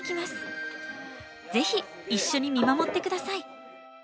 ぜひ一緒に見守って下さい。